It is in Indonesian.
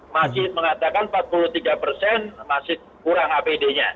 masih mengatakan empat puluh tiga persen masih kurang apd nya